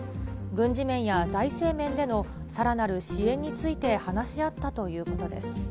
軍事面や財政面でのさらなる支援について話し合ったということです。